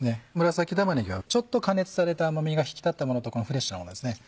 紫玉ねぎはちょっと加熱された甘みが引き立ったものとこのフレッシュなものですね